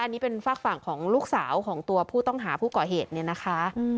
อันนี้เป็นฝากฝั่งของลูกสาวของตัวผู้ต้องหาผู้ก่อเหตุเนี่ยนะคะ